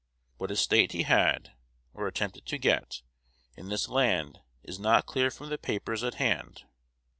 What estate he had, or attempted to get, in this land, is not clear from the papers at hand.